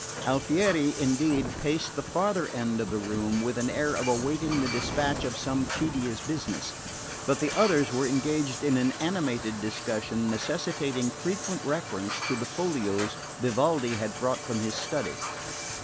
Alfieri, indeed, paced the farther end of the room with the air of awaiting the despatch of some tedious business; but the others were engaged in an animated discussion necessitating frequent reference to the folios Vivaldi had brought from his study.